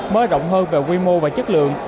mới rộng hơn về quy mô và chất lượng